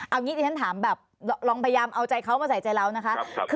เอางี้ที่ฉันถามแบบลองพยายามเอาใจเขามาใส่ใจเรานะคะ